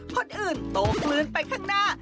คนอื่นตกกลืนไปข้างหน้า